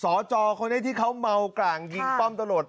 ศจของได้ที่เขาเมากหลั่งยิงป้อมตะโหลด